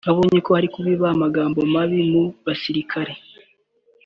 abonye ko ari kubiba amagambo mabi mu basirikare